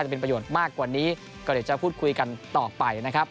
เป็นประโยชน์มากกว่านี้ก็เดี๋ยวจะพูดคุยกันต่อไปนะครับ